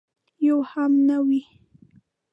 یو هم نه وي.